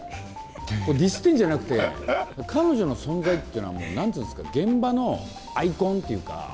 これ、ディスってるんじゃなくて、彼女の存在っていうのはなんていうんですか、現場のアイコンっていうか。